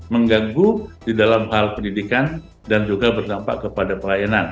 mengganggu di dalam hal pendidikan dan juga berdampak kepada pelayanan